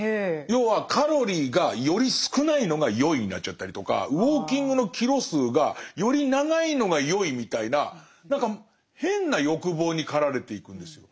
要はカロリーがより少ないのがよいになっちゃったりとかウォーキングのキロ数がより長いのがよいみたいな何か変な欲望に駆られていくんですよ。